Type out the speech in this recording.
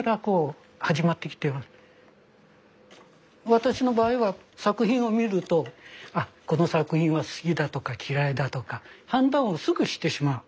私の場合は作品を見るとあこの作品は好きだとか嫌いだとか判断をすぐしてしまう。